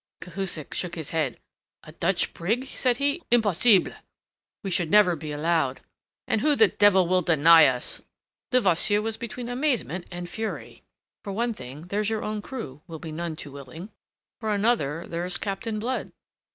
Cahusac shook his head. "A Dutch brig!" said he. "Impossible! We should never be allowed." "And who the devil will deny us?" Levasseur was between amazement and fury. "For one thing, there's your own crew will be none too willing. For another there's Captain Blood."